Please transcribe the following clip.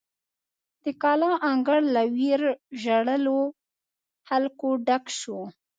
د کلا انګړ له ویرژلو خلکو ډک شو.